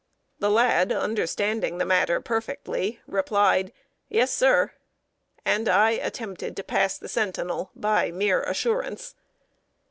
The lad, understanding the matter perfectly, replied, "Yes, sir;" and I attempted to pass the sentinel by mere assurance.